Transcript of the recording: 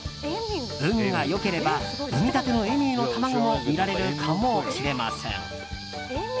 運が良ければ産みたてのエミューの卵も見られるかもしれません。